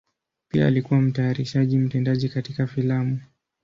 Pia alikuwa mtayarishaji mtendaji katika filamu.